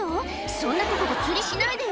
そんなとこで釣りしないでよ